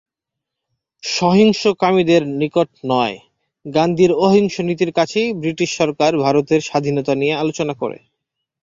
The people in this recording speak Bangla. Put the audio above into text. সহিংসকামীদের নিকট নয়, গান্ধীর অহিংস নীতির কাছেই ব্রিটিশ সরকার ভারতের স্বাধীনতা নিয়ে আলোচনা করে।